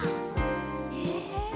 へえ。